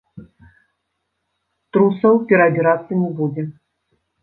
Трусаў пераабірацца не будзе.